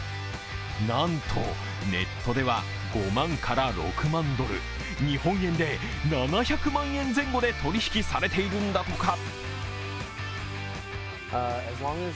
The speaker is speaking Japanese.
なんとネットでは５万６万ドル、日本円で７００万円前後で取り引きされているんだとか。